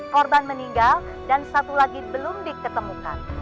korban meninggal dan satu lagi belum diketemukan